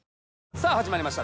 さぁ始まりました